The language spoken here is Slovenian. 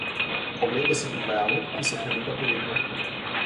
Oglejte si predvajalnik, ki se premika po ritmu.